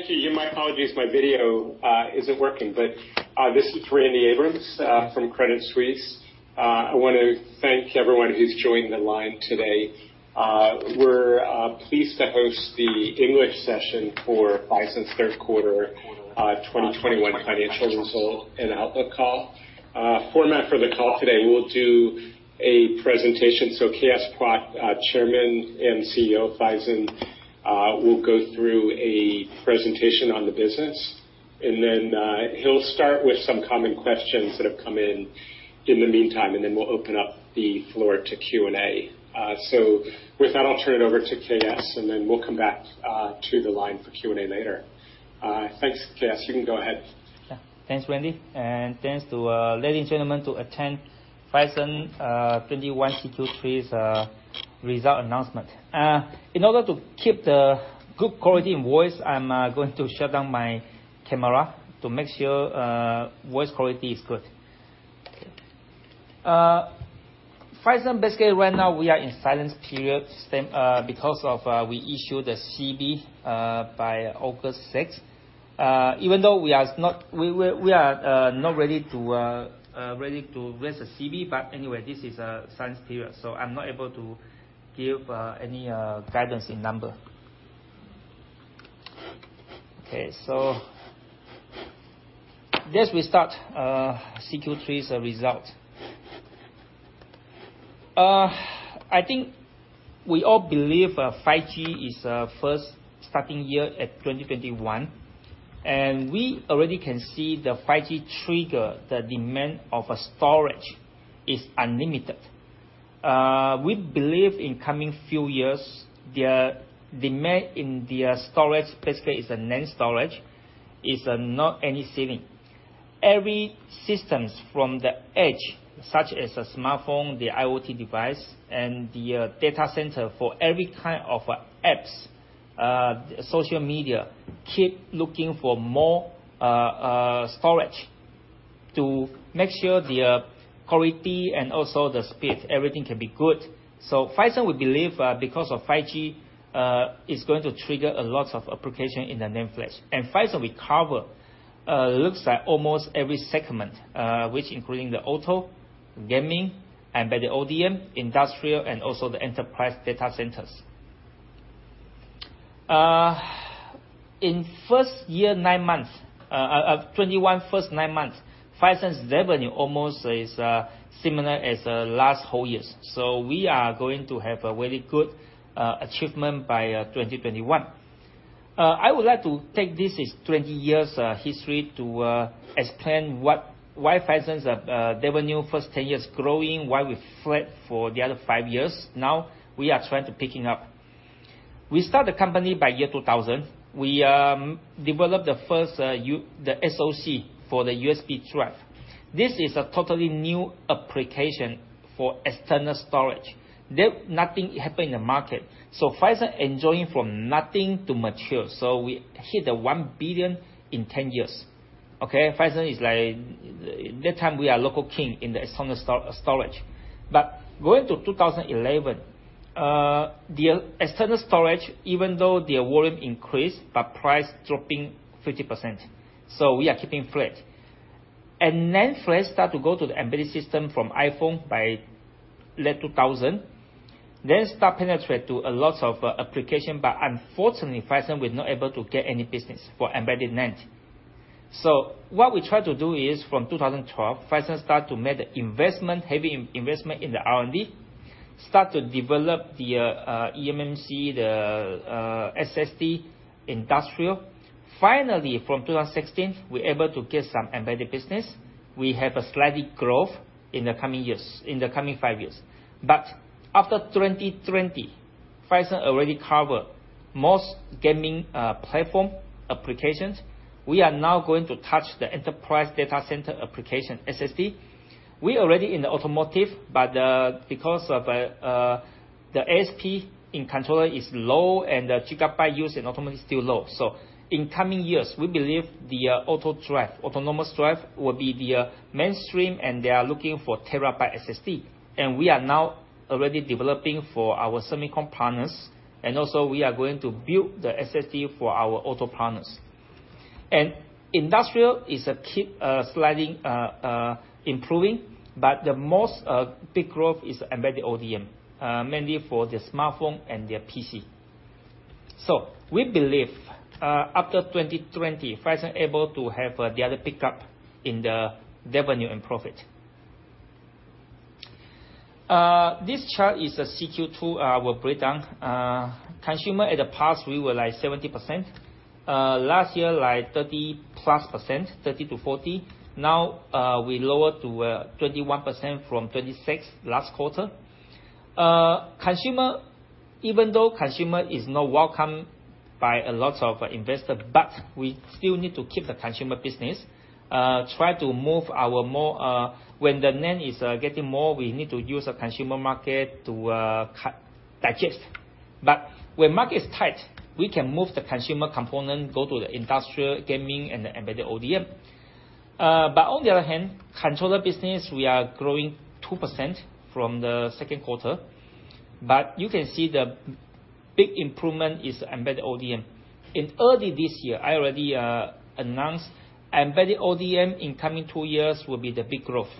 Thank you. Yeah, my apologies, my video isn't working, but this is Randy Abrams from Credit Suisse. I wanna thank everyone who's joined the line today. We're pleased to host the English session for Phison's Third Quarter 2021 Financial Result and outlook call. Format for the call today, we'll do a presentation. K.S. Pua, Chairman and CEO of Phison, will go through a presentation on the business, and then he'll start with some common questions that have come in in the meantime, and then we'll open up the floor to Q&A. With that, I'll turn it over to K.S., and then we'll come back to the line for Q&A later. Thanks. K.S., you can go ahead. Thanks, Randy. Thanks to ladies and gentlemen to attend Phison's 2021 CQ3's result announcement. In order to keep the good quality in voice, I'm going to shut down my camera to make sure voice quality is good. Okay. Phison, basically right now we are in silence period because we issued a CB by August 6. Even though we are not ready to raise a CB, but anyway, this is a silence period, so I'm not able to give any guidance in number. Okay, let's start CQ3's result. I think we all believe 5G is first starting year in 2021, and we already can see the 5G trigger, the demand for storage is unlimited. We believe in the coming few years, their demand in their storage, basically it's a NAND storage, is not any ceiling. Every systems from the edge, such as a smartphone, the IoT device, and the data center for every kind of apps, social media, keep looking for more storage to make sure the quality and also the speed, everything can be good. Phison, we believe because of 5G is going to trigger a lot of application in the NAND flash. Phison, we cover looks at almost every segment, which including the auto, gaming, embedded ODM, industrial, and also the enterprise data centers. In the first nine months of 2021, Phison's revenue almost is similar as last whole years. We are going to have a very good achievement by 2021. I would like to take this as 20 years history to explain why Phison's revenue first 10 years growing, why we flat for the other five years. Now we are trying to picking up. We start the company in year 2000. We developed the first SoC for the USB drive. This is a totally new application for external storage. Then nothing happened in the market, so Phison enjoying from nothing to mature. We hit 1 billion in 10 years. Okay? Phison is like that time we are local king in the external storage. Going to 2011, the external storage, even though the volume increased, but price dropping 50%. We are keeping flat. NAND flash started to go to the embedded system from iPhone by late 2000, then started to penetrate to a lot of applications, but unfortunately, Phison was not able to get any business for embedded NAND. What we tried to do is, from 2012, Phison started to make the investment, heavy investment in the R&D, started to develop the eMMC, the SSD industrial. Finally, from 2016, we're able to get some embedded business. We have a slight growth in the coming years, in the coming five years. After 2020, Phison already covers most gaming platform applications. We are now going to touch the enterprise data center application SSD. We already in the automotive, but because of the ASP in controller is low and the gigabyte used in automotive is still low. In coming years, we believe the autonomous drive will be the mainstream, and they are looking for terabyte SSD. We are now already developing for our semicon partners. We also are going to build the SSD for our auto partners. Industrial is keeping slightly improving, but the most big growth is embedded ODM, mainly for the smartphone and the PC. We believe, after 2020, Phison able to have the other pickup in the revenue and profit. This chart is a CQ2 breakdown. In the past, consumer was like 70%. Last year like 30%+, 30%-40%. Now, we lowered to 21% from 26% last quarter. Consumer, even though consumer is not welcome by a lot of investors, we still need to keep the consumer business, try to move our more. When the NAND is getting more, we need to use a consumer market to digest. When market is tight, we can move the consumer component, go to the industrial, gaming, and the embedded ODM. On the other hand, controller business, we are growing 2% from the second quarter. You can see the big improvement is embedded ODM. In early this year, I already announced embedded ODM in coming two years will be the big growth,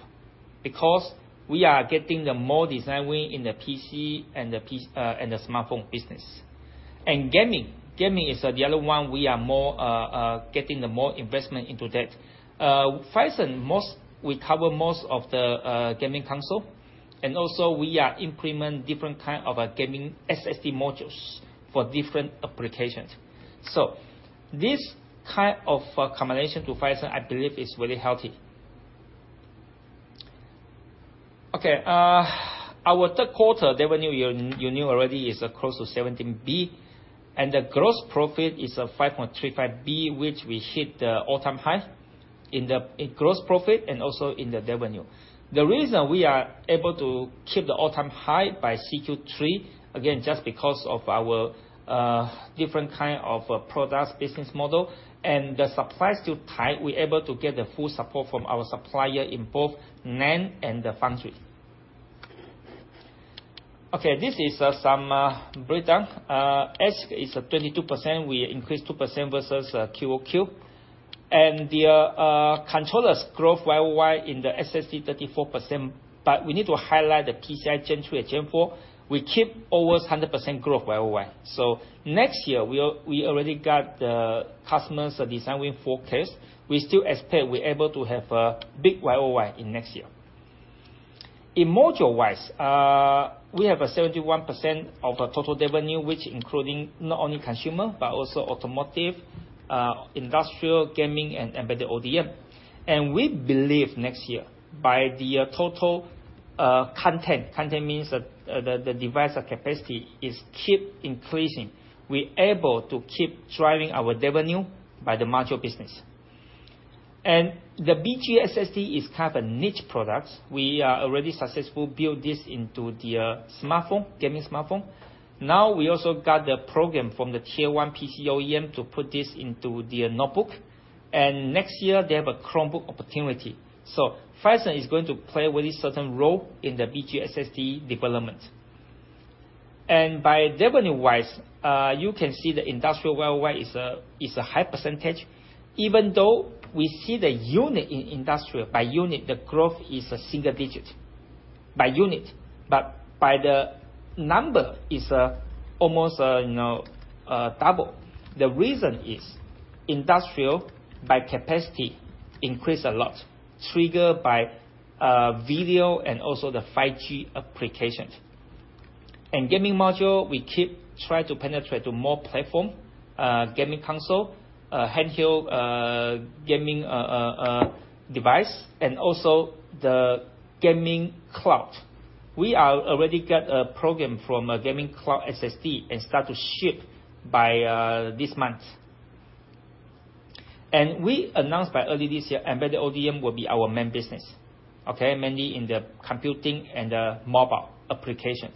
because we are getting more design win in the PC and the smartphone business. Gaming is the other one. We are getting more investment into that. Phison, we cover most of the gaming console, and also we are implement different kind of a gaming SSD modules for different applications. This kind of combination to Phison, I believe is really healthy. Okay, our third quarter revenue you knew already is close to 17 billion. The gross profit is 5.35 billion, which we hit the all-time high in gross profit and also in the revenue. The reason we are able to keep the all-time high in CQ3, again, just because of our different kind of products, business model, and the supply still tight, we're able to get the full support from our supplier in both NAND and the foundry. Okay, this is some breakdown. ASC is 22%. We increased 2% versus QoQ. The controllers growth YoY in the SSD 34%. We need to highlight the PCIe Gen 3 and Gen 4. We keep almost 100% growth YoY. Next year we already got the customers design win forecast. We still expect we're able to have a big YoY in next year. In module-wise, we have a 71% of the total revenue, which including not only consumer, but also automotive, industrial, gaming and embedded ODM. We believe next year, by the total content means the device capacity is keep increasing. We're able to keep driving our revenue by the module business. The BG SSD is kind of a niche product. We are already successful build this into the smartphone, gaming smartphone. Now we also got the program from the Tier-1 PC OEM to put this into their notebook. Next year they have a Chromebook opportunity. Phison is going to play a very certain role in the BG SSD development. By revenue-wise, you can see the industrial YoY is a high percentage. Even though we see the unit in industrial, by unit, the growth is a single-digit by unit, but by the number is almost, you know, double. The reason is industrial by capacity increase a lot, triggered by video and also the 5G applications. In gaming module, we keep trying to penetrate to more platform, gaming console, handheld, gaming device and also the gaming cloud. We are already get a program from a gaming cloud SSD and start to ship by this month. We announced by early this year, embedded ODM will be our main business, okay? Mainly in the computing and the mobile application.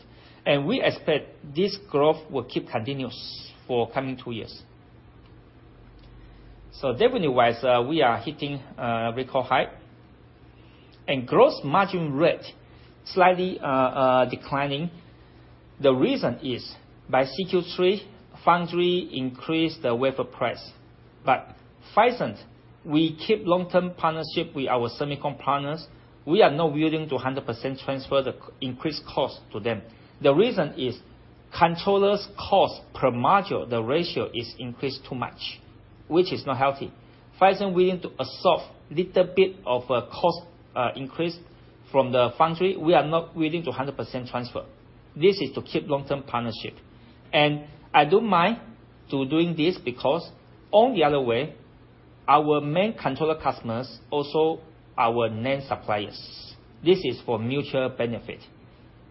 We expect this growth will keep continuous for coming two years. Revenue-wise, we are hitting record high. Gross margin rate slightly declining. The reason is by CQ3, foundry increased the wafer price. Phison, we keep long-term partnership with our semicon partners. We are not willing to 100% transfer the increased cost to them. The reason is controllers cost per module, the ratio is increased too much, which is not healthy. Phison willing to absorb little bit of a cost increase from the foundry. We are not willing to 100% transfer. This is to keep long-term partnership. I don't mind to doing this because on the other way, our main controller customers, also our NAND suppliers. This is for mutual benefit.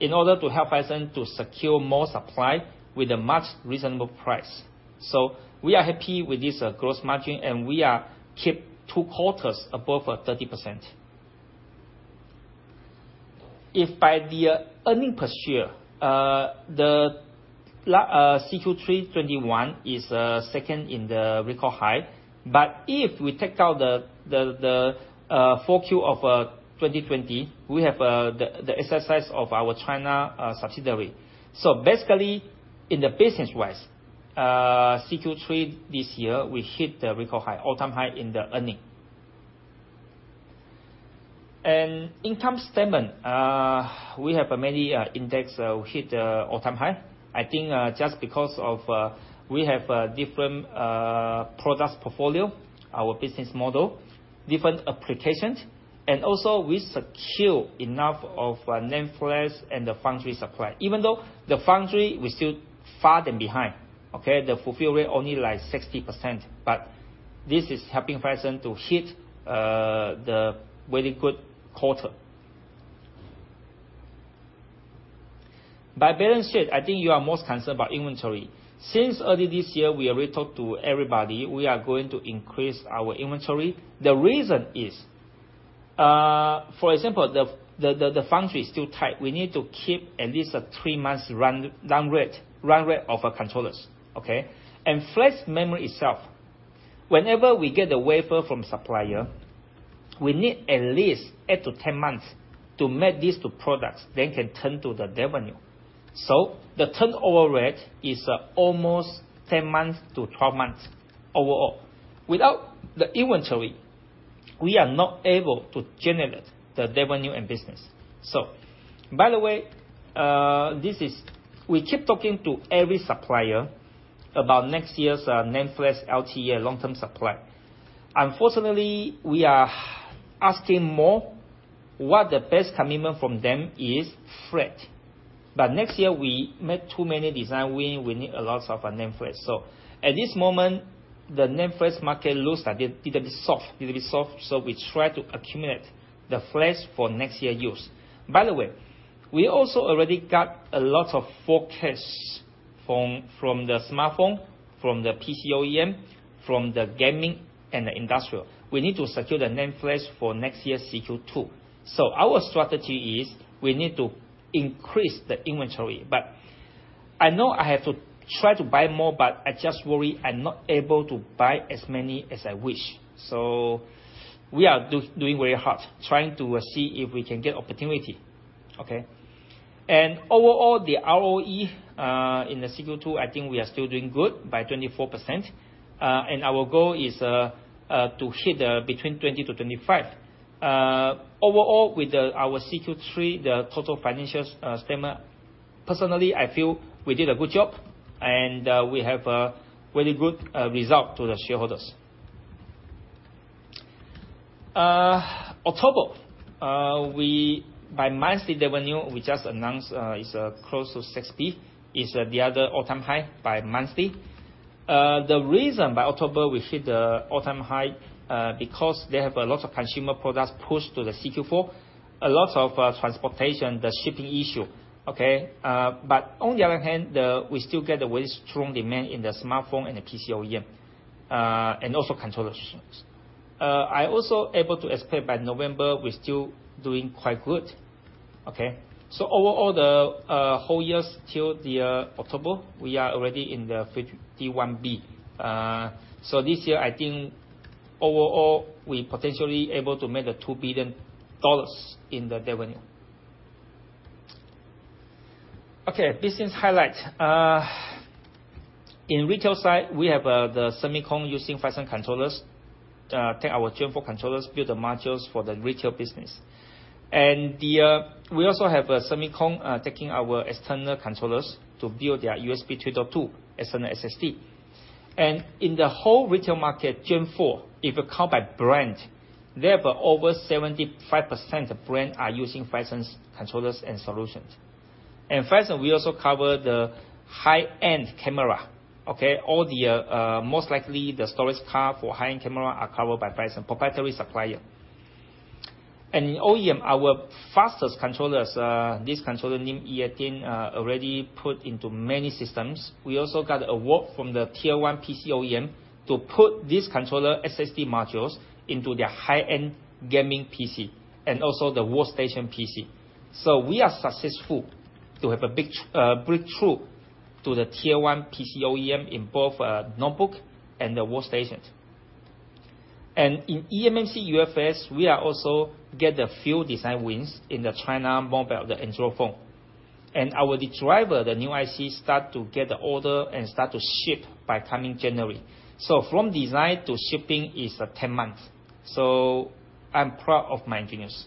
In order to help Phison to secure more supply with a much reasonable price. We are happy with this gross margin, and we are keep two quarters above 30%. If by the earnings per share, the CQ3 2021 is second in the record high. If we take out the 4Q of 2020, we have the exercise of our China subsidiary. Basically in the business-wise, CQ3 this year, we hit the record high, all-time high in the earnings. Income statement, we have many indices hit all-time high. I think just because of we have different product portfolio, our business model, different applications, and also we secure enough of NAND flash and the foundry supply. Even though the foundry, we're still far behind, okay? The fill rate only like 60%, but this is helping Phison to hit the very good quarter. On the balance sheet, I think you are most concerned about inventory. Since early this year, we already talked to everybody, we are going to increase our inventory. The reason is, for example, the foundry is still tight. We need to keep at least three months run rate of our controllers, okay? Flash memory itself, whenever we get the wafer from supplier, we need at least 8-10 months to make these into products, then can turn to the revenue. The turnover rate is almost 10-12 months overall. Without the inventory, we are not able to generate the revenue and business. By the way, this is. We keep talking to every supplier about next year's NAND flash LTA, long-term supply. Unfortunately, we are asking more what the best commitment from them is flash. Next year, we make too many design win, we need a lot of NAND flash. At this moment, the NAND flash market looks like a little bit soft, so we try to accumulate the flash for next year use. By the way, we also already got a lot of forecasts from the smartphone, from the PC OEM, from the gaming and the industrial. We need to secure the NAND flash for next year's CQ2. Our strategy is we need to increase the inventory. I know I have to try to buy more, but I just worry I'm not able to buy as many as I wish. We are doing very hard, trying to see if we can get opportunity, okay? Overall, the ROE in the CQ2, I think we are still doing good at 24%. Our goal is to hit between 20%-25%. Overall, with our CQ3, the total financial statement, personally, I feel we did a good job, and we have a very good result to the shareholders. In October, by monthly revenue, we just announced, it's close to 6 billion. It's another all-time high by monthly. The reason in October we hit the all-time high, because they have a lot of consumer products pushed to the CQ4, a lot of transportation, the shipping issue, okay? On the other hand, we still get a very strong demand in the smartphone and the PC OEM, and also controller systems. I also able to expect by November we're still doing quite good, okay? Overall, whole years till October, we are already in 51 billion. This year, I think overall, we potentially able to make the $2 billion in the revenue. Okay, business highlight. In retail side, we have the semicon using Phison controllers take our Gen 4 controllers build the modules for the retail business. We also have semicon taking our external controllers to build their USB 3.2 external SSD. In the whole retail market, Gen 4, if you count by brand, they have over 75% of brand are using Phison's controllers and solutions. Phison, we also cover the high-end camera, okay? All the, most likely the storage card for high-end camera are covered by Phison, proprietary supplier. In OEM, our fastest controllers, this controller PS5018-E18, already put into many systems. We also got award from the Tier-1 PC OEM to put this controller SSD modules into their high-end gaming PC and also the workstation PC. We are successful to have a big, breakthrough to the Tier-1 PC OEM in both, notebook and the workstations. In eMMC UFS, we are also get the few design wins in the China mobile, the Android phone. Our driver, the new IC, start to get the order and start to ship by coming January. From design to shipping is, 10 months. I'm proud of my engineers.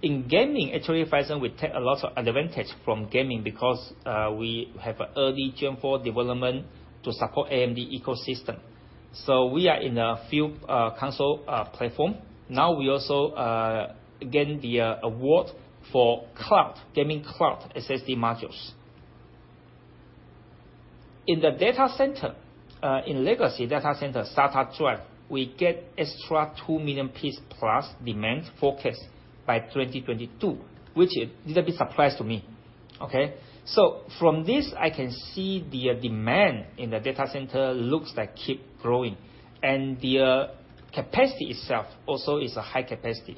In gaming, actually, Phison will take a lot of advantage from gaming because we have an early Gen 4 development to support AMD ecosystem. We are in a few console platform. Now we also gain the award for cloud gaming cloud SSD modules. In the data center, in legacy data center, SATA drive, we get extra 2 million pieces plus demand forecast by 2022, which is a little bit of a surprise to me, okay? From this, I can see the demand in the data center looks like keep growing. The capacity itself also is a high capacity.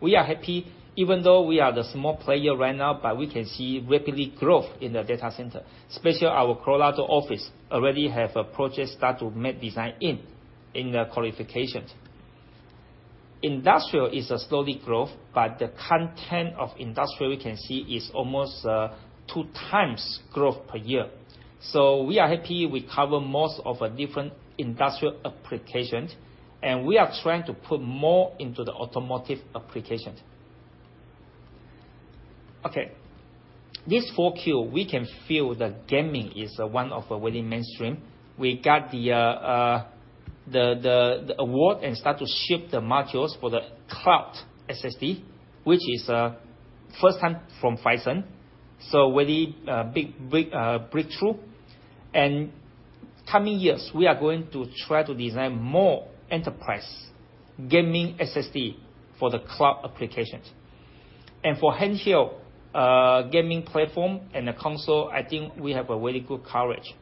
We are happy, even though we are the small player right now, but we can see rapid growth in the data center, especially our Colorado office already have a project start to make design in the qualifications. Industrial is a slow growth, but the content of industrial we can see is almost 2x growth per year. We are happy we cover most of a different industrial applications, and we are trying to put more into the automotive applications. Okay. This 4Q, we can feel that gaming is one of the very mainstream. We got the award and start to ship the modules for the cloud SSD, which is first time from Phison. Very big breakthrough. Coming years, we are going to try to design more enterprise gaming SSD for the cloud applications. For handheld gaming platform and the console, I think we have a very good coverage.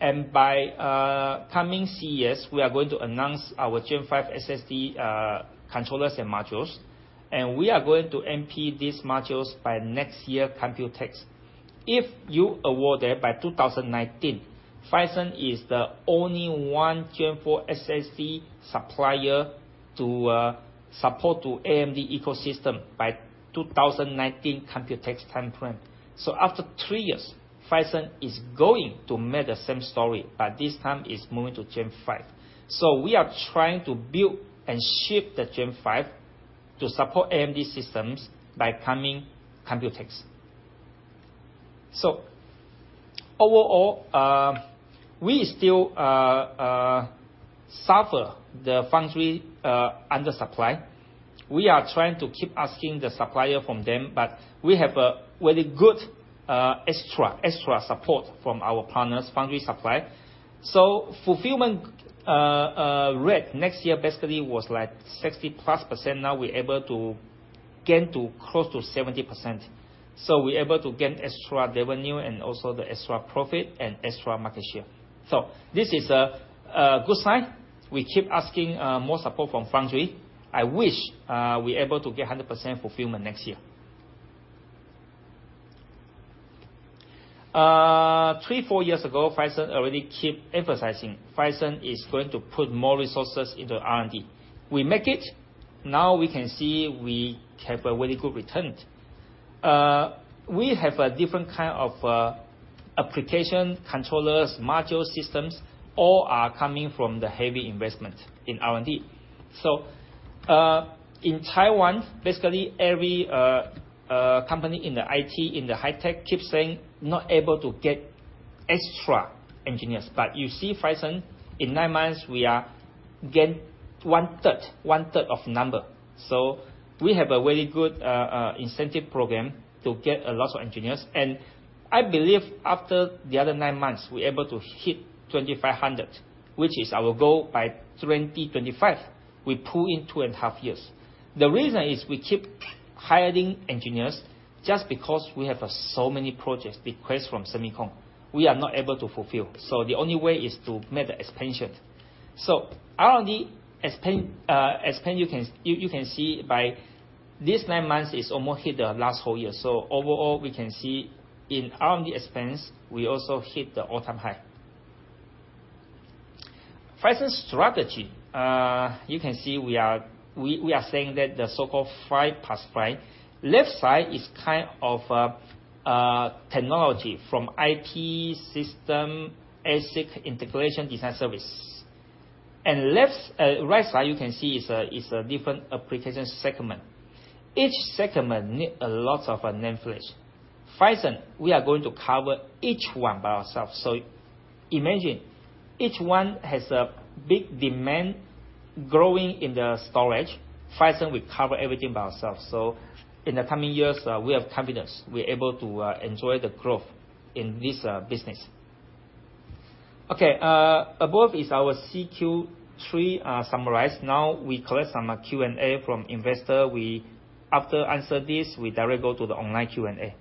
By coming CES, we are going to announce our Gen 5 SSD controllers and modules, and we are going to MP these modules by next year COMPUTEX. If you award that by 2019, Phison is the only one Gen 4 SSD supplier to support the AMD ecosystem by 2019 COMPUTEX timeframe. After three years, Phison is going to make the same story, but this time it's moving to Gen 5. We are trying to build and ship the Gen 5 to support AMD systems by coming COMPUTEX. Overall, we still suffer the foundry undersupply. We are trying to keep asking the supplier from them, but we have a very good, extra support from our partners, foundry supply. Fulfillment rate next year basically was like 60%+. Now we're able to gain to close to 70%. We're able to gain extra revenue and also the extra profit and extra market share. This is a good sign. We keep asking more support from foundry. I wish we're able to get 100% fulfillment next year. 3-4 years ago, Phison already keep emphasizing Phison is going to put more resources into R&D. We make it. Now we can see we have a very good return. We have a different kind of application, controllers, module systems, all are coming from the heavy investment in R&D. In Taiwan, basically every company in the IT, in the high tech, keeps saying not able to get extra engineers. You see Phison, in nine months, we've gained 1/3 of number. We have a very good incentive program to get a lot of engineers. I believe after the other nine months, we're able to hit 2,500, which is our goal by 2025. We pull in 2.5 years. The reason is we keep hiring engineers just because we have so many project requests from semicon we are not able to fulfill. The only way is to make the expansion. R&D expense you can see by these nine months is almost hit the last whole year. Overall, we can see in R&D expense, we also hit the all-time high. Phison strategy, you can see we are saying that the so-called 5+5. Left side is kind of technology from IT system, ASIC integration design services. Right side, you can see is a different application segment. Each segment need a lot of NAND flash. Phison, we are going to cover each one by ourselves. Imagine each one has a big demand growing in the storage. Phison will cover everything by ourselves. In the coming years, we have confidence we're able to enjoy the growth in this business. Above is our CQ3 summarized. Now, we collect some Q&A from investor. After answer this, we directly go to the online Q&A.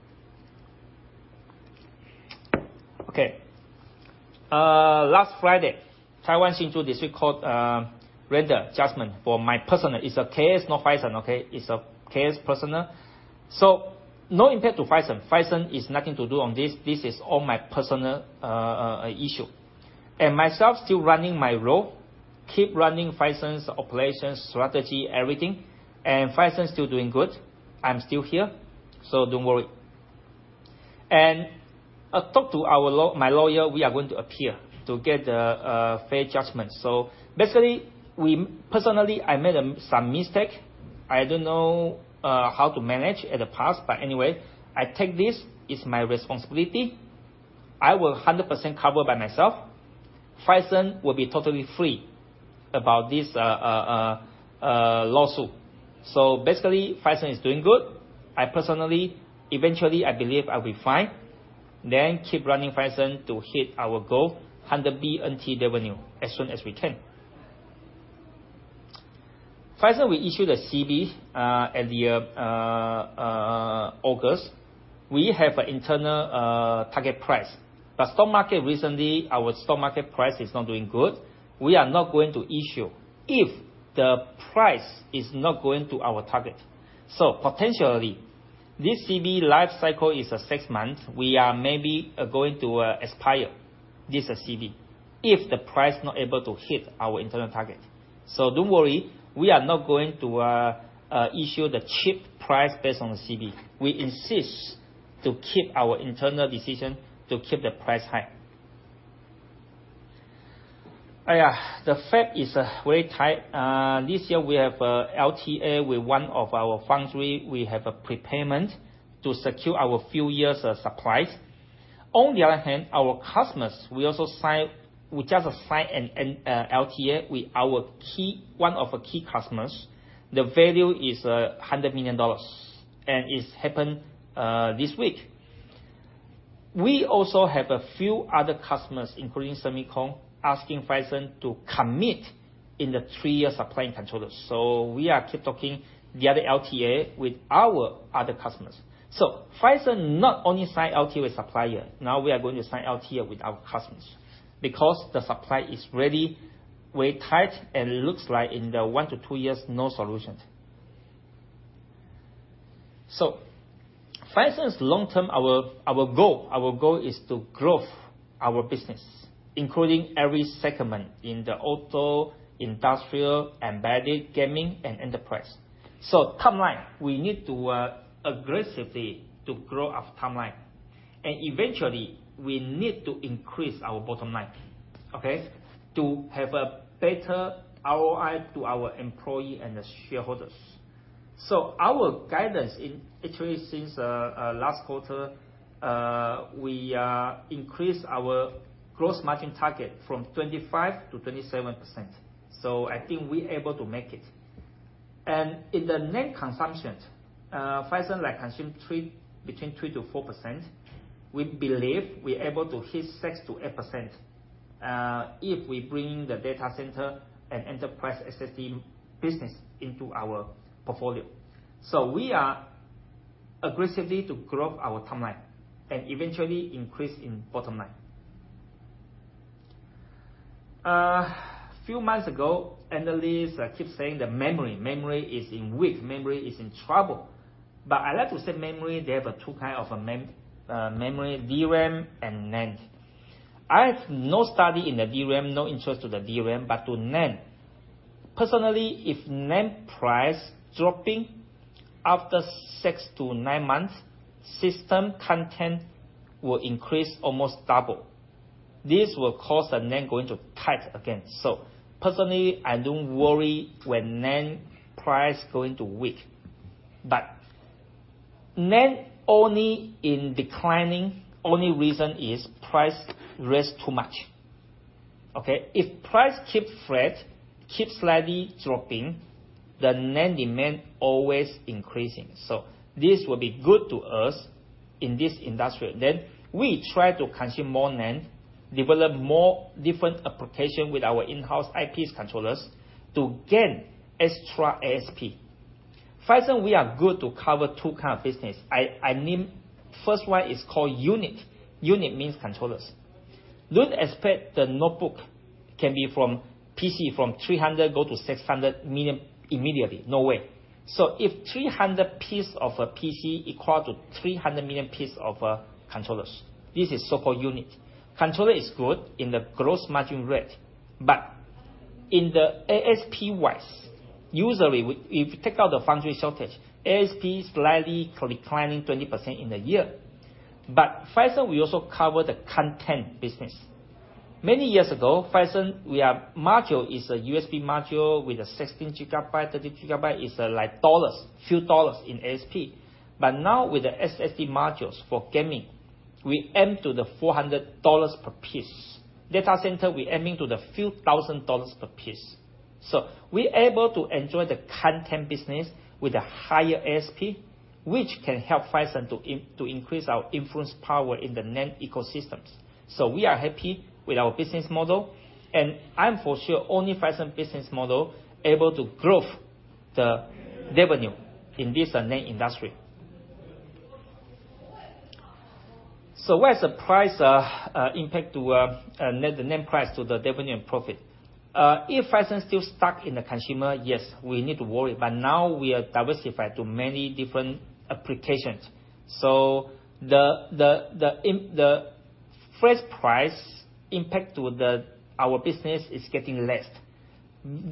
Last Friday, Taiwan Hsinchu District Court render judgment for my personal. It's a case, not Phison, okay? It's a personal case. No impact to Phison. Phison has nothing to do with this. This is all my personal issue. Myself still running my role, keep running Phison's operations, strategy, everything. Phison still doing good. I'm still here, don't worry. I talk to my lawyer, we are going to appear to get a fair judgment. Basically, personally, I made some mistake. I don't know how to manage in the past, but anyway, I take this, it's my responsibility. I will 100% cover by myself. Phison will be totally free about this lawsuit. Basically, Phison is doing good. Eventually, I believe I'll be fine. Keep running Phison to hit our goal, 100 billion revenue as soon as we can. Phison, we issue the CB at the August. We have an internal target price. Stock market recently, our stock market price is not doing good. We are not going to issue if the price is not going to our target. Potentially, this CB life cycle is a 6-month. We are maybe going to expire this CB if the price not able to hit our internal target. Don't worry, we are not going to issue the cheap price based on the CB. We insist to keep our internal decision to keep the price high. The fab is very tight. This year we have LTA with one of our foundry. We have a prepayment to secure our few years of supplies. On the other hand, with our customers, we just signed an LTA with one of our key customers. The value is $100 million, and it happened this week. We also have a few other customers, including semicon, asking Phison to commit in the three years of supplying controllers. We keep talking about the other LTA with our other customers. Phison not only signs LTA with suppliers, now we are going to sign LTA with our customers. The supply is really very tight and looks like in the 1-2 years, no solutions. Phison's long-term goal is to grow our business, including every segment in the auto, industrial, embedded, gaming and enterprise. Top line, we need to aggressively grow our top line. Eventually, we need to increase our bottom line. To have a better ROI for our employees and the shareholders. Our guidance actually since last quarter we increased our gross margin target from 25%-27%. I think we're able to make it. In the net consumptions, Phison like consumes between 2%-4%. We believe we're able to hit 6%-8% if we bring the data center and enterprise SSD business into our portfolio. We are aggressively to grow our timeline and eventually increase the bottom line. A few months ago analysts keep saying the memory is weak, the memory is in trouble. I like to say memory, they have two kinds of memory, DRAM and NAND. I have no study in the DRAM, no interest in the DRAM, but in NAND. Personally, if NAND price dropping after 6-9 months, system content will increase almost double. This will cause the NAND going to tight again. Personally, I don't worry when NAND price going to weak. NAND only in declining, only reason is price raised too much, okay? If price keep flat, keep slightly dropping, the NAND demand always increasing. This will be good to us in this industry. We try to consume more NAND, develop more different application with our in-house IP controllers to gain extra ASP. Phison, we are good to cover two kind of business. I mean, first one is called unit. Unit means controllers. Don't expect the notebook can be from PC from 300 go to 600 million immediately. No way. If 300 pieces of a PC equal to 300 million pieces of controllers, this is so-called unit. Controller is good in the gross margin rate, but in the ASP wise, usually, if you take out the foundry shortage, ASP is slightly declining 20% in a year. Phison, we also cover the content business. Many years ago, Phison, module is a USB module with a 16 GB, 30 GB is like dollars, few dollars in ASP. Now with the SSD modules for gaming, we aim to the $400 per piece. Data center, we're aiming to the few thousand dollars per piece. We're able to enjoy the content business with a higher ASP, which can help Phison to increase our influence power in the NAND ecosystems. We are happy with our business model, and I'm for sure only Phison business model able to grow the revenue in this NAND industry. Where's the price impact to NAND, the NAND price to the revenue and profit? If Phison still stuck in the consumer, yes, we need to worry. But now we are diversified to many different applications. The first price impact to our business is getting less.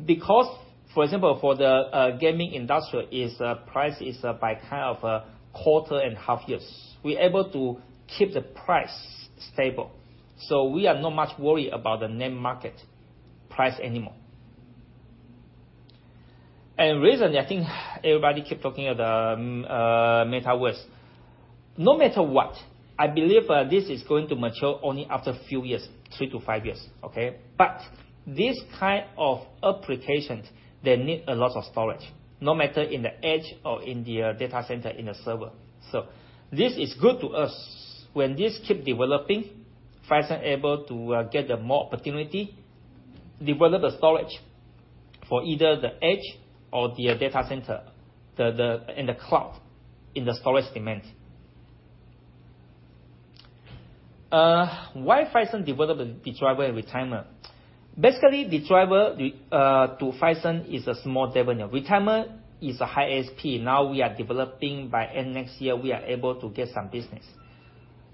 Because for example, for the gaming industry price is by kind of a quarter and half years. We're able to keep the price stable. We are not much worried about the NAND market price anymore. Recently, I think everybody keep talking of the metaverse. No matter what, I believe this is going to mature only after a few years, 3-5 years, okay? This kind of applications, they need a lot of storage, no matter in the edge or in the data center, in the server. This is good to us. When this keep developing, Phison able to get the more opportunity, develop the storage for either the edge or the data center, the cloud in the storage demand. Why Phison develop a DRAM retimer? Basically, DRAM retimer to Phison is a small revenue. Retimer is a high ASP. Now we are developing by end next year, we are able to get some business.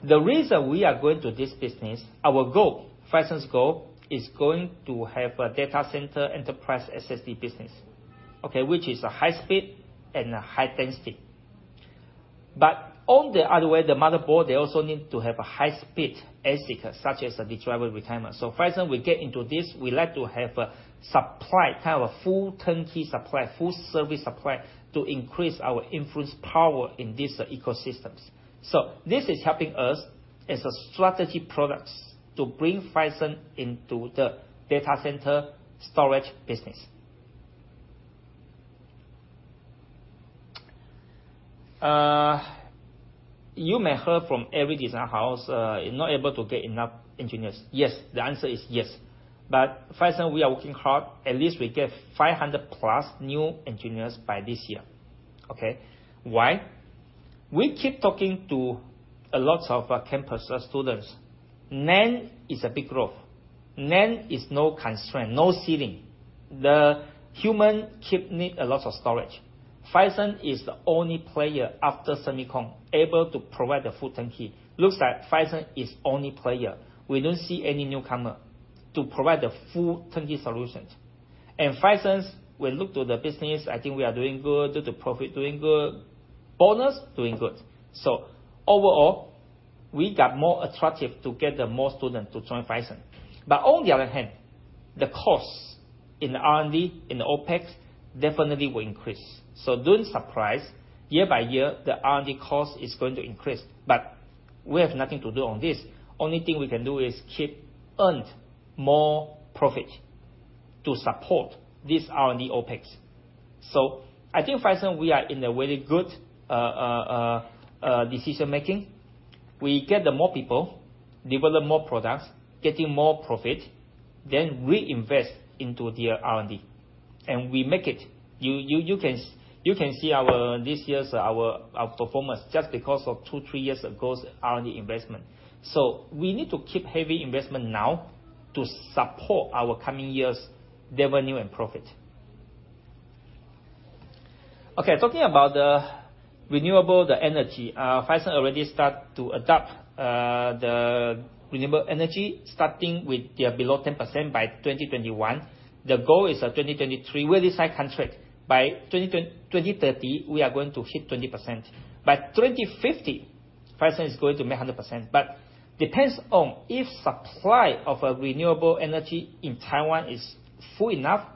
The reason we are going to this business, our goal, Phison's goal is going to have a data center enterprise SSD business, okay? Which is a high speed and a high density. On the other way, the motherboard, they also need to have a high speed ASIC, such as the DRAM retimer. Phison, we get into this, we like to have a supply, kind of a full turnkey supply, full service supply to increase our influence power in these ecosystems. This is helping us as strategic products to bring Phison into the data center storage business. You may have heard from every design house not able to get enough engineers. Yes. The answer is yes. Phison, we are working hard. At least we get 500+ new engineers by this year, okay? Why? We keep talking to a lot of campus students. NAND is a big growth. NAND is no constraint, no ceiling. Humans keep needing a lot of storage. Phison is the only player after semicon, able to provide the full turnkey. Looks like Phison is only player. We don't see any newcomer to provide the full turnkey solutions. Phison, we look to the business, I think we are doing good. The profit, doing good. Bonus, doing good. Overall, we got more attractive to get the more students to join Phison. On the other hand, the costs in the R&D, in the OpEx, definitely will increase. Don't be surprised, year by year, the R&D cost is going to increase. We have nothing to do on this. The only thing we can do is keep earning more profit to support this R&D OpEx. I think Phison, we are in a very good decision-making. We get the more people, develop more products, getting more profit, then reinvest into their R&D. We make it. You can see our this year's performance just because of 2-3 years ago's R&D investment. We need to keep heavy investment now to support our coming years' revenue and profit. Talking about the renewable energy. Phison already start to adopt the renewable energy, starting with their below 10% by 2021. The goal is 2023. We will sign contract by 2030, we are going to hit 20%. By 2050, Phison is going to be 100%. But depends on if supply of a renewable energy in Taiwan is full enough,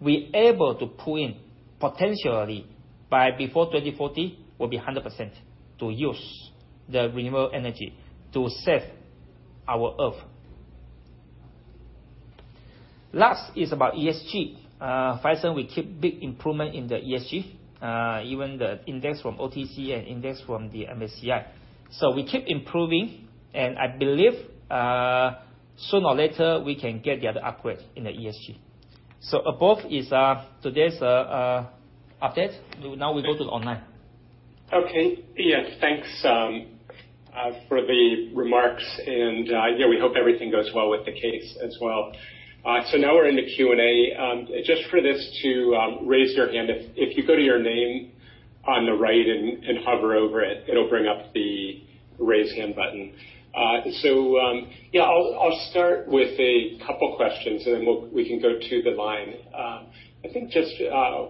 we able to pull in potentially by before 2040, will be 100% to use the renewable energy to save our earth. Last is about ESG. Phison, we keep big improvement in the ESG, even the index from OTC and index from the MSCI. We keep improving, and I believe, sooner or later, we can get the other upgrade in the ESG. Above is today's update. Now we go to online. Okay. Yeah. Thanks for the remarks and, yeah, we hope everything goes well with the case as well. So now we're in the Q&A. Just to raise your hand. If you go to your name on the right and hover over it'll bring up the Raise Hand button. So, yeah. I'll start with a couple questions, and then we can go to the line. I think just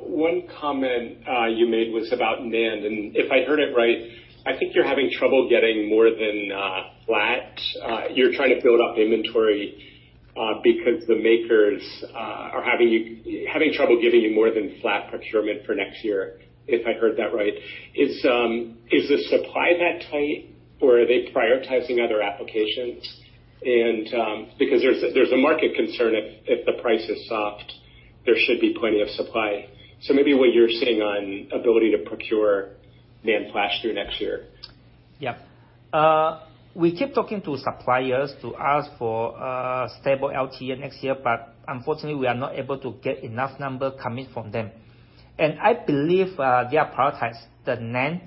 one comment you made was about NAND, and if I heard it right, I think you're having trouble getting more than flat. You're trying to build up inventory because the makers are having trouble giving you more than flat procurement for next year, if I heard that right. Is the supply that tight or are they prioritizing other applications? Because there's a market concern if the price is soft, there should be plenty of supply. Maybe what you're seeing is the inability to procure NAND flash through next year? Yeah. We keep talking to suppliers to ask for stable LTA next year, but unfortunately we are not able to get enough number coming from them. I believe they prioritize the NAND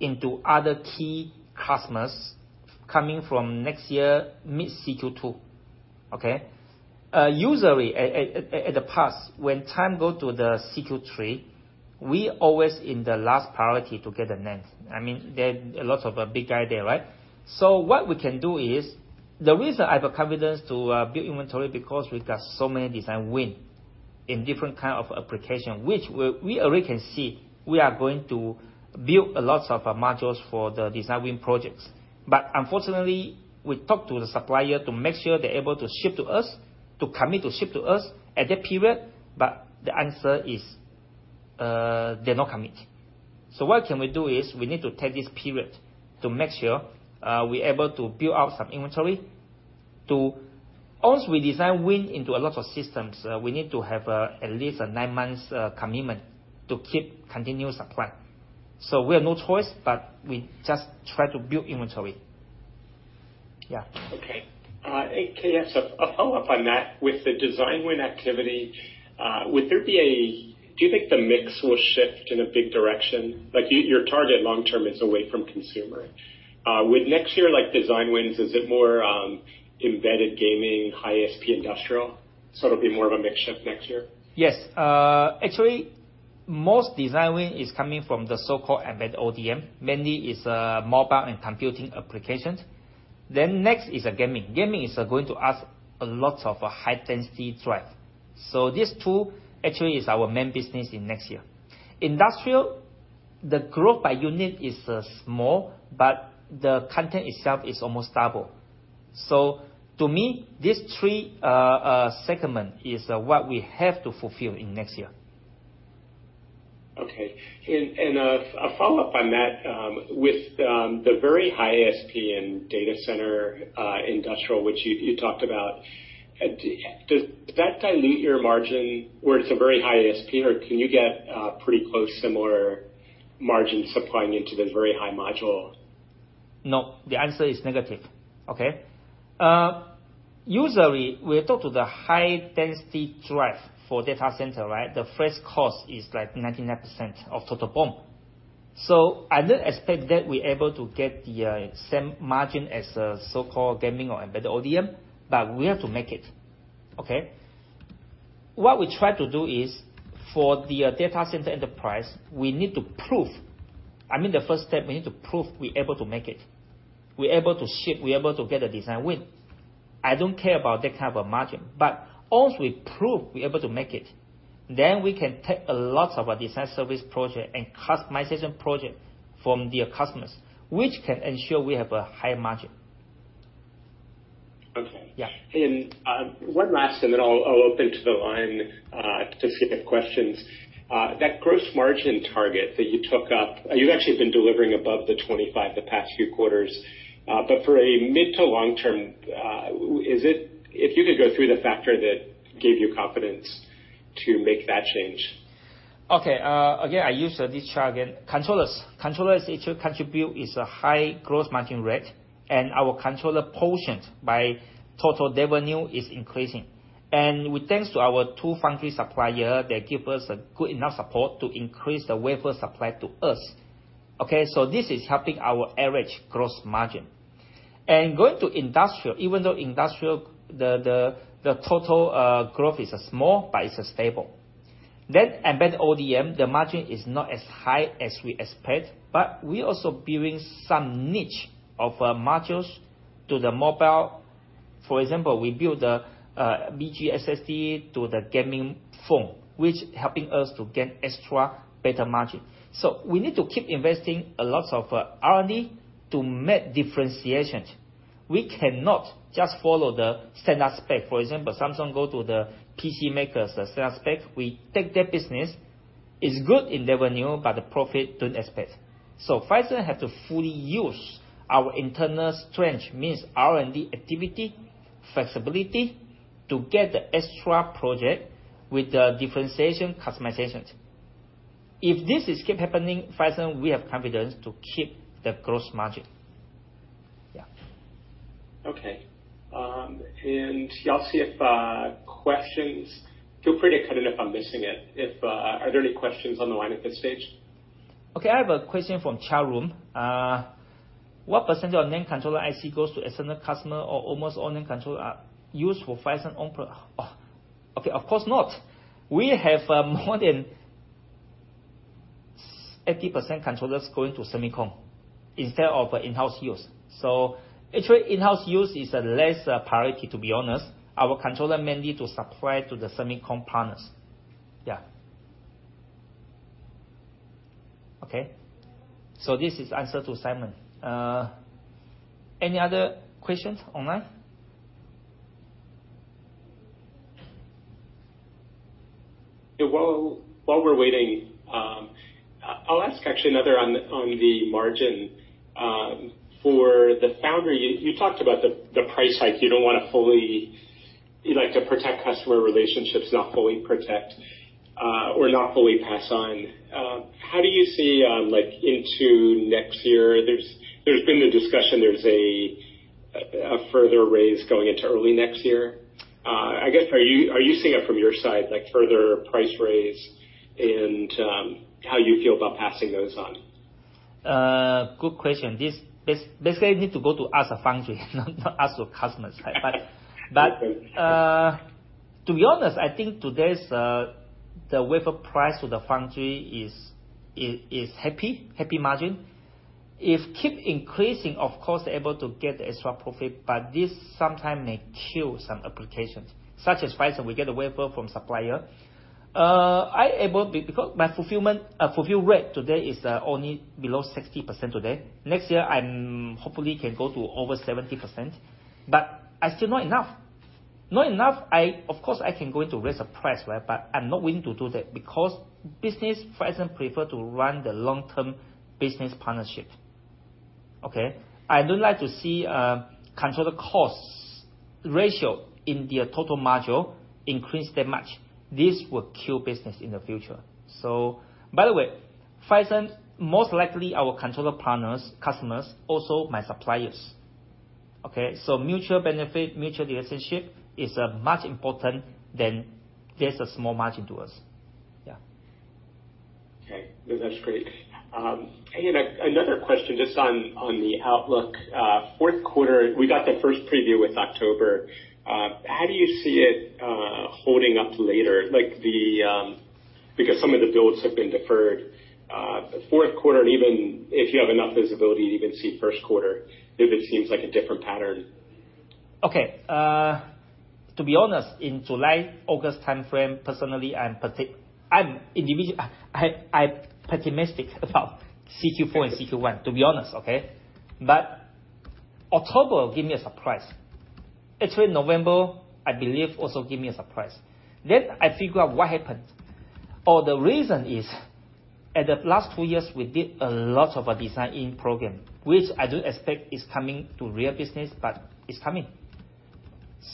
into other key customers coming from next year, mid-CQ2, okay? Usually in the past, when time go to the CQ3, we always in the last priority to get the NAND. I mean, there are lots of big guy there, right? What we can do is, the reason I have a confidence to build inventory because we've got so many design win in different kind of application, which we already can see we are going to build a lot of modules for the design win projects. Unfortunately, we talk to the supplier to make sure they're able to ship to us, to commit to ship to us at that period, but the answer is, they no commit. What can we do is, we need to take this period to make sure we're able to build out some inventory. Once we design win into a lot of systems, we need to have at least a nine-month commitment to keep continuous supply. We have no choice, but we just try to build inventory. Yeah. Okay. K.S., yes, a follow-up on that. With the design win activity, do you think the mix will shift in a big direction? Like, your target long term is away from consumer. Would next year, like design wins, is it more embedded gaming, high-ASP industrial? It'll be more of a mix shift next year? Yes. Actually, most design win is coming from the so-called embedded ODM. Mainly is mobile and computing applications. Next is gaming. Gaming is going to ask a lot of high-density drive. These two actually is our main business in next year. Industrial, the growth by unit is small, but the content itself is almost double. To me, these three segment is what we have to fulfill in next year. Okay. A follow-up on that. With the very high ASP in data center, industrial, which you talked about, does that dilute your margin where it's a very high ASP, or can you get pretty close similar margin supplying into the very high module? No, the answer is negative. Okay? Usually we talk to the high density drive for data center, right? The first cost is like 99% of total BOM. I don't expect that we're able to get the same margin as a so-called gaming or embedded ODM, but we have to make it. Okay. What we try to do is, for the data center enterprise, we need to prove, I mean, the first step, we need to prove we're able to make it. We're able to ship, we're able to get a design win. I don't care about that type of margin, but once we prove we're able to make it, then we can take a lot of our design service project and customization project from their customers, which can ensure we have a higher margin. Okay. Yeah. One last, and then I'll open to the line specific questions. That gross margin target that you took up, you've actually been delivering above the 25% the past few quarters, but for a mid- to long-term, if you could go through the factor that gave you confidence to make that change? Okay. Again, I use this chart again. Controllers actually contribute is a high gross margin rate, and our controller portion by total revenue is increasing. With thanks to our two foundry supplier, they give us a good enough support to increase the wafer supply to us. Okay? This is helping our average gross margin. Going to industrial. Even though industrial, the total growth is small, but it's stable. Embedded ODM, the margin is not as high as we expect, but we're also building some niche of modules to the mobile. For example, we build a BG SSD to the gaming phone, which helping us to gain extra better margin. We need to keep investing a lot of R&D to make differentiations. We cannot just follow the standard spec. For example, Samsung go to the PC makers, the standard spec, we take their business. It's good in revenue, but the profit don't expect. Phison have to fully use our internal strength, means R&D activity, flexibility to get the extra project with the differentiation customizations. If this is keep happening, Phison, we have confidence to keep the gross margin. Yeah. Okay. Feel free to cut in if I'm missing it. Are there any questions on the line at this stage? Okay, I have a question from chat room. What percentage of NAND controller IC goes to external customer or almost all NAND controller are used for Phison's own. Okay, of course not. We have more than 80% controllers going to semicon instead of in-house use. Actually, in-house use is a less priority, to be honest. Our controller mainly to supply to the semicon partners. Yeah. Okay? This is answer to Simon. Any other questions online? While we're waiting, I'll actually ask another one on the margin. For the founder, you talked about the price hike. You don't wanna fully pass on. You like to protect customer relationships, not fully pass on. How do you see, like, into next year? There's been the discussion there's a further raise going into early next year. I guess, are you seeing it from your side, like further price raise and how you feel about passing those on? Good question. Basically need to go to ask a foundry, not ask a customer side. To be honest, I think today, the wafer price to the foundry is healthy margin. If keep increasing, of course able to get the extra profit, but this sometimes may kill some applications, such as Phison, we get a wafer from supplier. Because my fulfillment rate today is only below 60% today. Next year, I'm hopefully can go to over 70%, but I still not enough. Not enough, of course, I can go to raise a price, but I'm not willing to do that because business, Phison prefer to run the long-term business partnership. Okay? I don't like to see controller costs ratio in their total module increase that much. This will kill business in the future. By the way, Phison, most likely our controller partners, customers, also my suppliers. Okay? Mutual benefit, mutual relationship is much important than there's a small margin to us. Yeah. Okay. No, that's great. Another question just on the outlook. Fourth quarter, we got the first preview with October. How do you see it holding up later? Like, because some of the builds have been deferred, fourth quarter, and even if you have enough visibility to even see first quarter, if it seems like a different pattern. Okay. To be honest, in July, August timeframe, personally, I'm pessimistic about CQ4 and CQ1, to be honest, okay? October give me a surprise. Actually, November, I believe, also give me a surprise. I figure out what happened, or the reason is at the last two years, we did a lot of design in program, which I don't expect is coming to real business, but it's coming.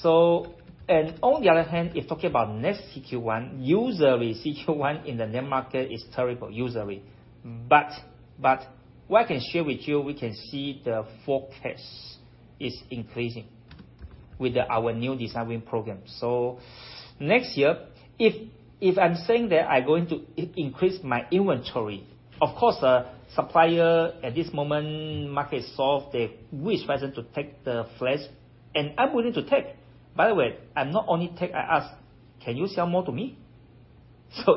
On the other hand, if talking about next CQ1, usually CQ1 in the NAND market is terrible, usually. What I can share with you, we can see the forecast is increasing with our new designing program. Next year, if I'm saying that I'm going to increase my inventory, of course, the supplier at this moment, market is soft. They wish Phison to take the flash, and I'm willing to take. By the way, I'm not only take, I ask, "Can you sell more to me?"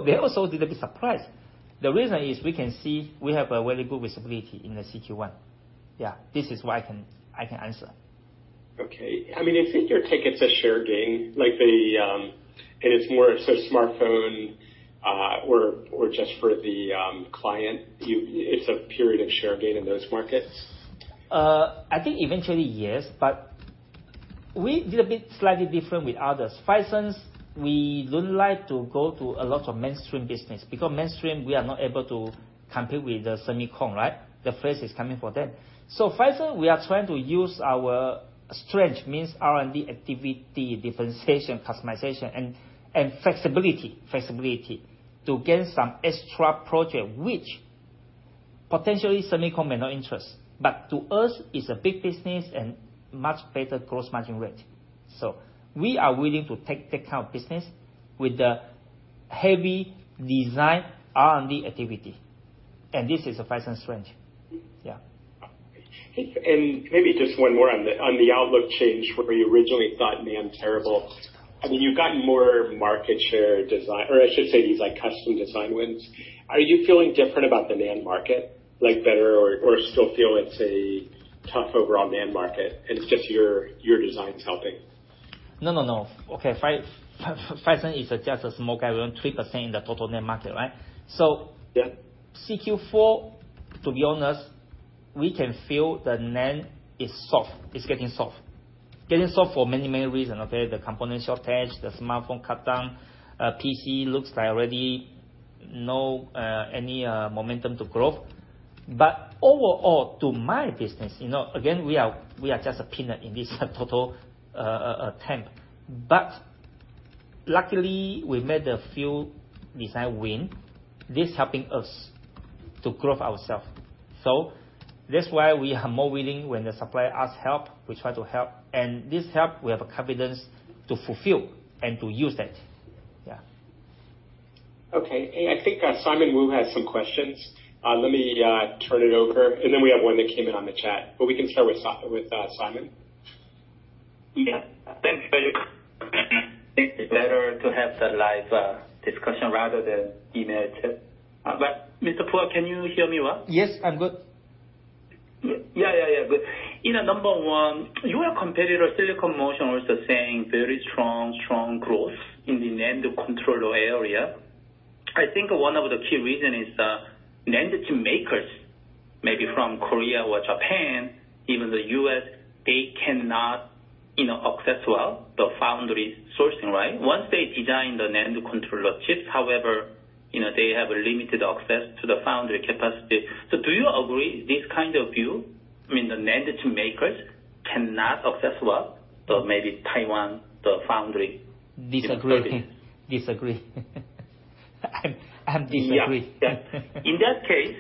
They also little bit surprised. The reason is we can see we have a very good visibility in the CQ1. Yeah. This is what I can answer. Okay. I mean, you think your take it's a share gain, like the, it's more sort of smartphone, or just for the client? It's a period of share gain in those markets? I think eventually, yes. We did a bit slightly different with others. Phison, we don't like to go to a lot of mainstream business because mainstream, we are not able to compete with the semicon, right? The price is coming for them. Phison, we are trying to use our strength, means R&D activity, differentiation, customization, and flexibility to gain some extra project which potentially semicon may not interest. To us, it's a big business and much better gross margin rate. We are willing to take that kind of business with the heavy design R&D activity, and this is a Phison strength. Yeah. Maybe just one more on the outlook change where you originally thought NAND terrible. I mean, you've gotten more market share design. Or I should say these like custom design wins. Are you feeling different about the NAND market, like better or still feel it's a tough overall NAND market and it's just your design is helping? No, no. Okay. Phison is just a small guy, around 3% in the total NAND market, right? Yeah. CQ4, to be honest, we can feel the NAND is soft. It's getting soft for many, many reasons, okay. The component shortage, the smartphone cut down, PC looks like already no any momentum to grow. Overall, to my business, you know, again, we are just a peanut in this total market. Luckily, we made a few design win. This helping us to grow ourselves. That's why we are more willing when the supplier ask help, we try to help. This help, we have a confidence to fulfill and to use that. Yeah. Okay. I think Simon Wu has some questions. Let me turn it over, and then we have one that came in on the chat. We can start with Simon. Yeah. Thanks very much. It's better to have the live discussion rather than email chat. Mr. Pua, can you hear me well? Yes, I'm good. Yeah, yeah. Good. You know, number one, your competitor, Silicon Motion, also saying very strong growth in the NAND controller area. I think one of the key reason is the NAND chip makers, maybe from Korea or Japan, even the U.S., they cannot, you know, access well the foundry sourcing, right? Once they design the NAND controller chips, however, you know, they have a limited access to the foundry capacity. Do you agree this kind of view? I mean, the NAND chip makers cannot access well the maybe Taiwan, the foundry. Disagree. I'm disagree. Yeah. In that case,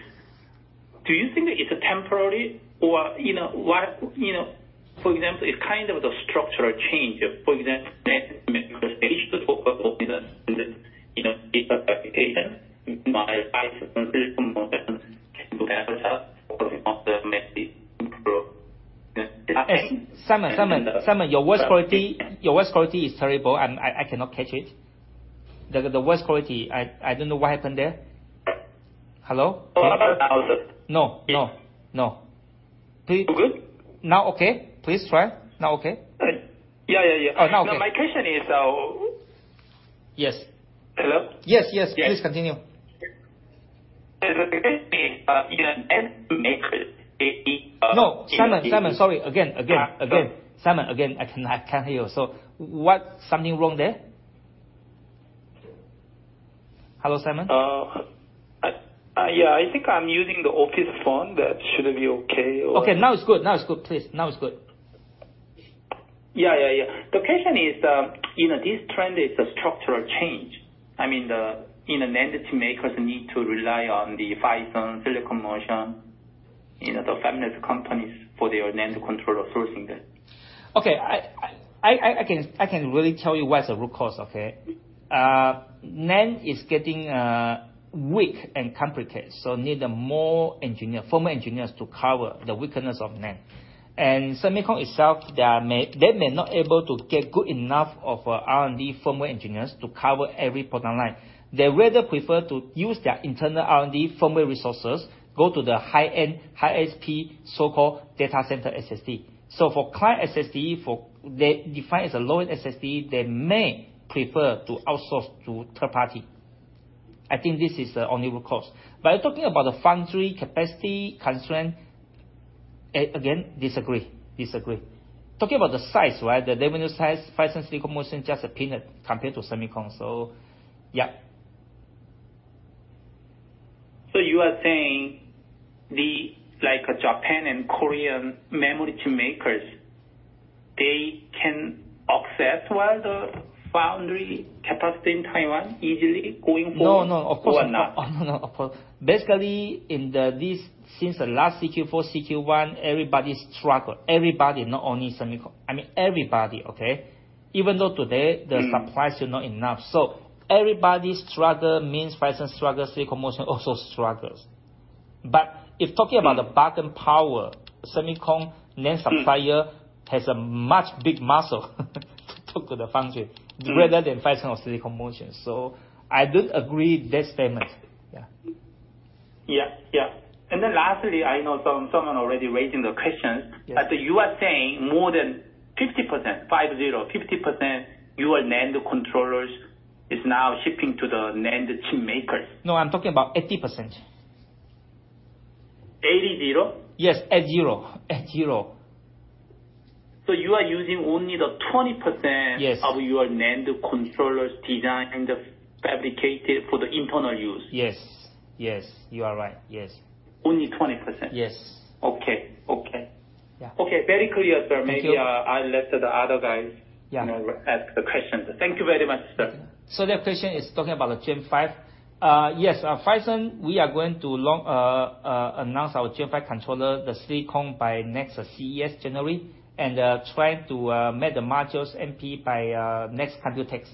do you think it's temporary or you know, what, you know. For example, it's kind of the structural change. Simon, your voice quality is terrible. I cannot catch it. The voice quality, I don't know what happened there. Hello? No. Good? Now, okay. Please try. Now, okay. Yeah, yeah. Now okay. My question is. Yes. Hello? Yes, yes. Yes. Please continue. No. Simon, sorry. Again. Simon, I can't hear you. What? Something wrong there? Hello, Simon? Yeah, I think I'm using the office phone. That should be okay. Okay. Now it's good. Please. Yeah, yeah. The question is, you know, this trend is a structural change. I mean, the, you know, NAND chip makers need to rely on the Phison, Silicon Motion, you know, the famous companies for their NAND controller sourcing then. Okay. I can really tell you what's the root cause, okay? NAND is getting weak and complicated, so need more engineers, firmware engineers to cover the weakness of NAND. Semicon itself, they may not able to get good enough R&D firmware engineers to cover every product line. They rather prefer to use their internal R&D firmware resources, go to the high-end, high ASP, so-called data center SSD. For client SSD, for they define as a lower SSD, they may prefer to outsource to third party. I think this is the only root cause. Talking about the foundry capacity constraint, again, disagree. Talking about the size, right? The revenue size, Phison, Silicon Motion just a peanut compared to semicon. Yeah. You are saying like Japan and Korean memory chip makers, they can access one of the foundry capacity in Taiwan easily going forward? No, no. Of course. Not? Oh, no. Of course. Basically, since the last CQ4, CQ1, everybody struggle. Everybody, not only semicon. I mean everybody, okay? Even though today. The supply still not enough. Everybody struggle means Phison struggles, Silicon Motion also struggles. If talking about The bargaining power, semicon NAND supplier has a much bigger muscle to talk to the foundry. Rather than Phison or Silicon Motion. I don't agree that statement. Yeah. Yeah. Lastly, I know someone already raising the question. Yeah. You are saying more than 50% of your NAND controllers is now shipping to the NAND chip makers. No, I'm talking about 80%. 80%? Yes, 80%. You are using only the 20%- Yes. Of your NAND controllers designed and fabricated for the internal use? Yes. Yes. You are right, yes. Only 20%? Yes. Okay. Yeah. Okay. Very clear, sir. Thank you. Maybe I'll let the other guys. Yeah. You know, ask the questions. Thank you very much, sir. Their question is talking about the Gen 5. Yes, Phison, we are going to announce our Gen 5 controller, the silicon by next CES January, and try to make the modules MP by next COMPUTEX.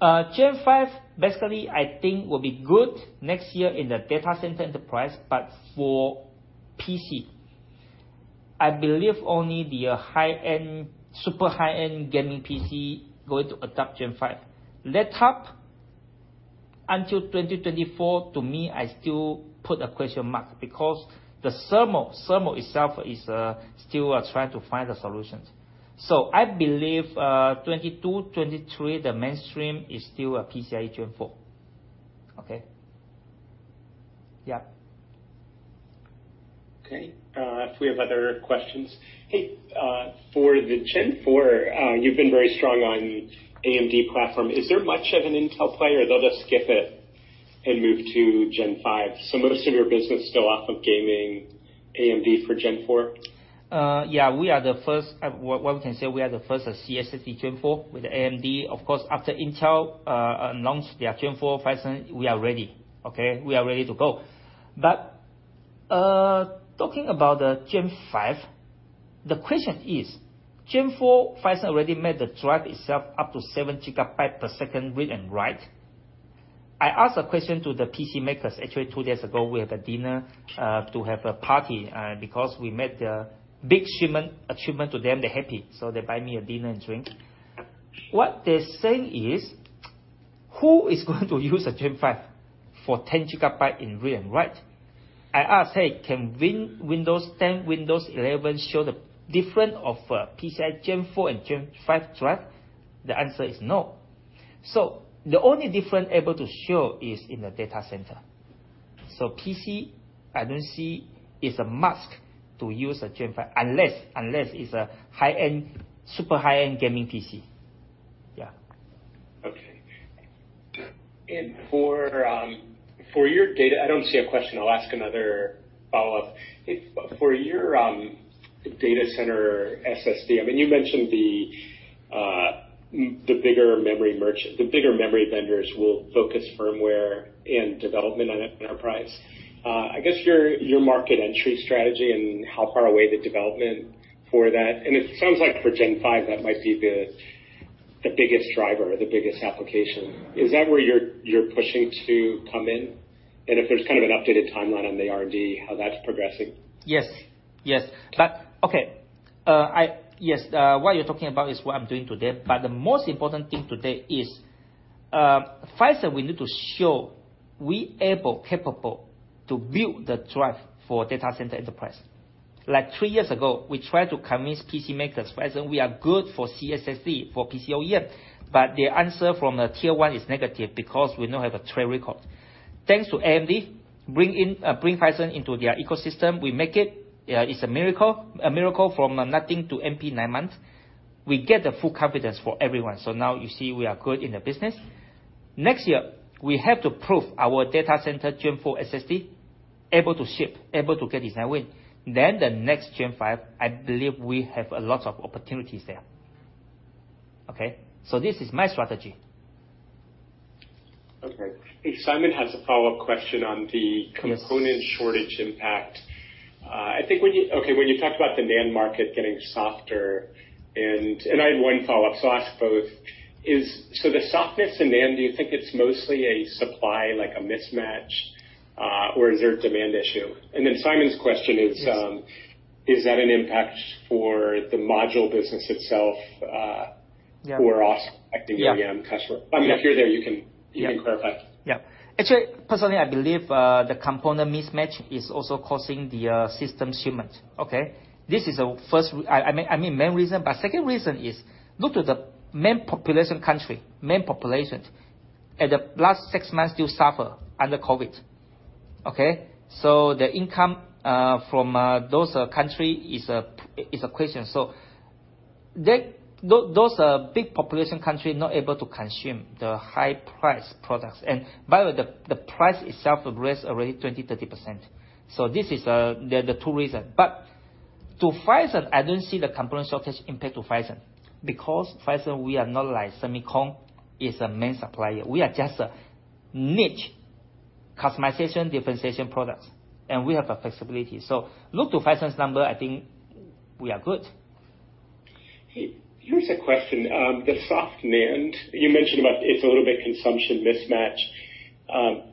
Gen 5, basically I think will be good next year in the data center enterprise, but for PC, I believe only the high-end, super high-end gaming PC going to adopt Gen 5. Laptop, until 2024, to me, I still put a question mark because the thermal itself is still trying to find the solutions. I believe, 2022, 2023, the mainstream is still a PCIe Gen 4. Okay. If we have other questions. Hey, for the Gen 4, you've been very strong on AMD platform. Is there much of an Intel player? They'll just skip it and move to Gen 5. Most of your business still off of gaming AMD for Gen 4? Yeah. We are the first PS50 Gen 4 with AMD. Of course, after Intel announced their Gen 4, Phison, we are ready. We are ready to go. Talking about the Gen 5, the question is Gen 4, Phison already made the drive itself up to 7 GB/s read and write. I asked a question to the PC makers. Actually, two days ago, we had a dinner to have a party because we made a big shipment achievement to them. They're happy, so they buy me a dinner and drink. What they're saying is, "Who is going to use a Gen 5 for 10 GB in read and write?" I asked, "Hey, can Windows 10, Windows 11 show the difference of PCIe Gen 4 and Gen 5 drive?" The answer is no. The only difference able to show is in the data center. PC, I don't see is a must to use a Gen 5, unless it's a high-end, super high-end gaming PC. Yeah. Okay. For your data, I don't see a question. I'll ask another follow-up. As for your data center SSD, I mean, you mentioned the bigger memory merchants will focus firmware and development on enterprise. I guess your market entry strategy and how far away the development for that, and it sounds like for Gen 5 that might be the biggest driver or the biggest application. Is that where you're pushing to come in? If there's kind of an updated timeline on the R&D, how that's progressing? Yes, what you're talking about is what I'm doing today. The most important thing today is Phison, we need to show we able, capable to build the drive for data center enterprise. Like three years ago, we tried to convince PC makers, Phison we are good for client SSD, for PC OEM, but the answer from the Tier-1 is negative because we not have a track record. Thanks to AMD, bring Phison into their ecosystem. We make it. It's a miracle from nothing to MP nine months. We get the full confidence for everyone. Now you see we are good in the business. Next year, we have to prove our data center Gen 4 SSD able to ship, able to get design win. The next Gen 5, I believe we have a lot of opportunities there. Okay? This is my strategy. Okay. I think Simon has a follow-up question on the component shortage impact. Okay, when you talk about the NAND market getting softer and I have one follow-up, so I'll ask both. So the softness in NAND, do you think it's mostly a supply, like a mismatch, or is there a demand issue? Then Simon's question is, Is that an impact for the module business itself- Yeah. Affecting the end customer? I mean, if you're there, you can Yeah. You can clarify. Yeah. Actually, personally, I believe the component mismatch is also causing the system shipment. Okay? This is the main reason, but second reason is look to the main population country. Main population at the last six months still suffer under COVID. Okay. So the income from those country is a question. So those are big population country not able to consume the high price products. The price itself raised already 20%-30%. So this is the two reason. But to Phison, I don't see the component shortage impact to Phison because Phison, we are not like semicon is a main supplier. We are just a niche customization differentiation products, and we have the flexibility. So look to Phison's number, I think we are good. Hey, here's a question. The soft NAND, you mentioned about it's a little bit consumption mismatch.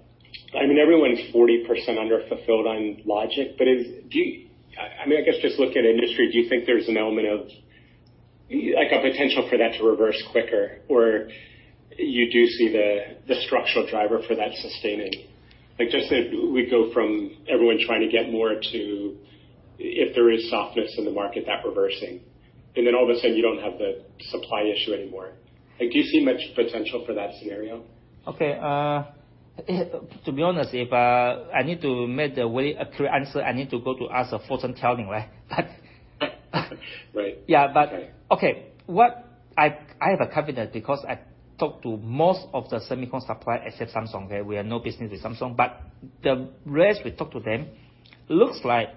I mean, everyone's 40% underfulfilled on logic. I mean, I guess, just looking at industry, do you think there's an element of, like, a potential for that to reverse quicker or do you see the structural driver for that sustaining? Like just that we go from everyone trying to get more to if there is softness in the market, that reversing, and then all of a sudden you don't have the supply issue anymore. Like, do you see much potential for that scenario? Okay. To be honest, if I need to make a very accurate answer, I need to go to ask a fortune telling way. Right. Yeah. Okay, I have confidence because I talked to most of the semicon suppliers except Samsung. Okay? We have no business with Samsung. The rest we talk to them, looks like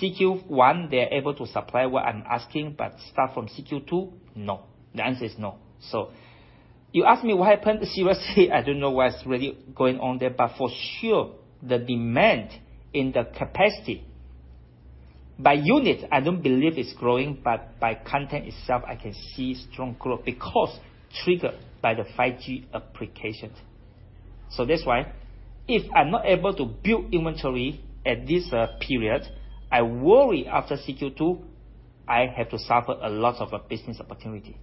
CQ1, they're able to supply what I'm asking, but start from CQ2, no. The answer is no. You ask me what happened, seriously, I don't know what's really going on there. For sure, the demand in the capacity by unit, I don't believe it's growing, but by content itself, I can see strong growth because triggered by the 5G applications. That's why if I'm not able to build inventory at this period, I worry after CQ2, I have to suffer a lot of business opportunity.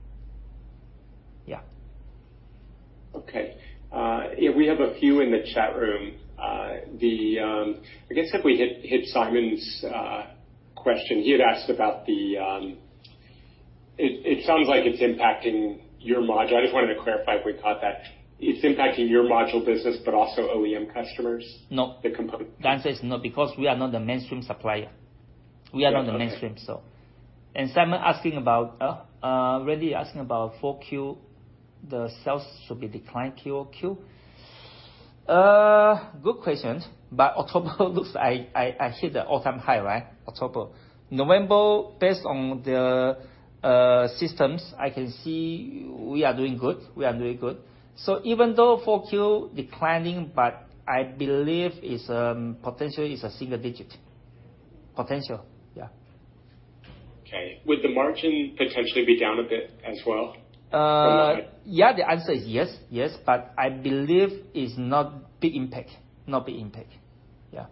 Yeah. Okay. We have a few in the chat room. I guess if we hit Simon's question, he had asked about the, it sounds like it's impacting your module. I just wanted to clarify if we caught that. It's impacting your module business, but also OEM customers- No. The component. The answer is no because we are not the mainstream supplier. We are not the mainstream. Simon asking about 4Q, the sales should be declined QoQ. Good question, but October I hit the all-time high, right? October. November, based on the systems, I can see we are doing good. We are doing good. Even though 4Q declining, but I believe it's potentially a single-digit. Yeah. Okay. Would the margin potentially be down a bit as well? Yeah. The answer is yes. But I believe it's not big impact. Yeah.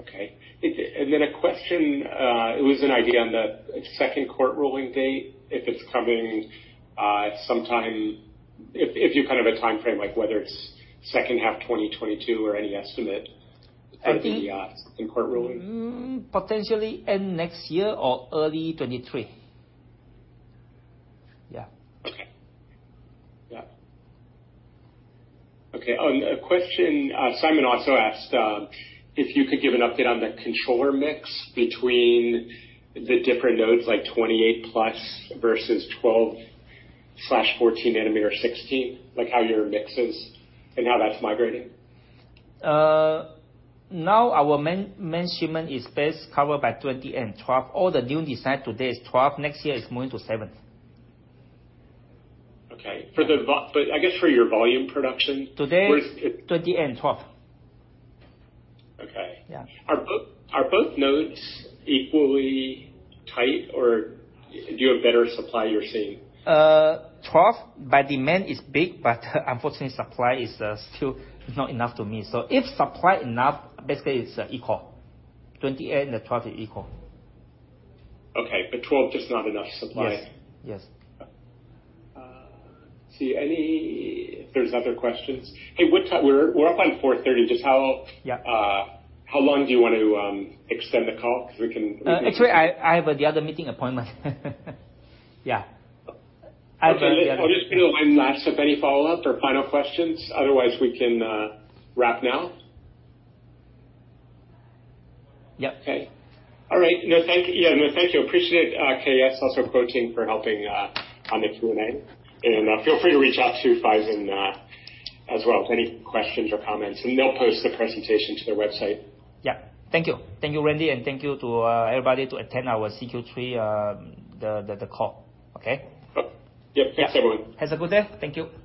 Okay. A question, it was an idea on the second court ruling date, if it's coming, at some time, if you have kind of a timeframe, like whether it's H2 2022 or any estimate in court ruling? Potentially end-next year or early 2023. Yeah. Okay. Yeah. Okay. A question, Simon also asked if you could give an update on the controller mix between the different nodes, like 28+ versus 12/14 nanometer, 16, like how your mix is and how that's migrating? Now our main shipment is best covered by 20 and 12. All the new design today is 12. Next year it's moving to 7. Okay. I guess for your volume production- Today, 20 and 12. Okay. Yeah. Are both nodes equally tight, or do you have better supply you're seeing? 12 by demand is big, but unfortunately supply is still not enough to me. If supply enough, basically it's equal. 28 and the 12 is equal. Okay. 12, just not enough supply? Yes. Yes. Okay. See if there's any other questions. Hey, what time? We're up on 4:30 P.M. Yeah. How long do you want to extend the call? 'Cause we can- Actually, I have the other meeting appointment. Yeah. I'll just give a line last up any follow-up or final questions. Otherwise we can wrap now. Yeah. Okay. All right. No, thank you. Yeah. No, thank you. We appreciate K.S. also joining for helping on the Q&A. Feel free to reach out to Phison as well with any questions or comments, and they'll post the presentation to their website. Yeah. Thank you. Thank you, Randy, and thank you to everybody to attend our CQ3 call. Okay. Yep. Thanks, everyone. Have a good day. Thank you.